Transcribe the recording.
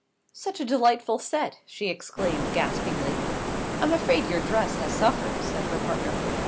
"Such a delightful set!" she exclaimed gaspingly. "I'm afraid your dress has suffered," said her partner.